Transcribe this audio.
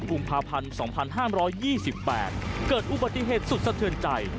กุมภาพันธ์๒๕๒๘เกิดอุบัติเหตุสุดสะเทือนใจ